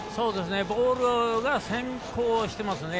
ボールが先行していますね。